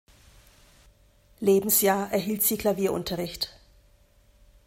Lebensjahr erhielt sie Klavierunterricht.